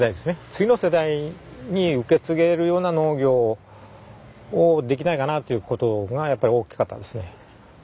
次の世代に受け継げるような農業をできないかなっていうことがやっぱり大きかったですね。